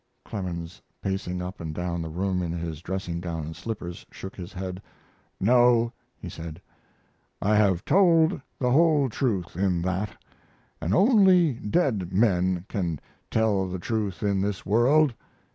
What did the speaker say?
Clemens, pacing up and down the room in his dressing gown and slippers, shook his head. "No," he said, "I have told the whole truth in that, and only dead men can tell the truth in this world.